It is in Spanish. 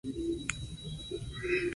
La p aspirada es escrita con ფ.